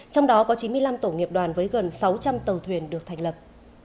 trong đó có chín mươi năm tổ nghiệp đoàn với gần sáu trăm linh tàu thuyền được thành lập